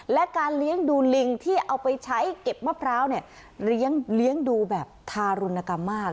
และการเลี้ยงดูลิงที่เอาไปใช้เก็บมะพร้าวเนี่ยเลี้ยงดูแบบทารุณกรรมมาก